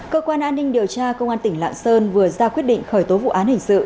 cơ quan an ninh điều tra công an tỉnh lạng sơn vừa ra quyết định khởi tố vụ án hình sự